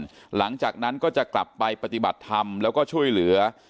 หลังจากนั้นก็จะกลับไปปฏิบัติธรรมแล้วก็ช่วยเหลือ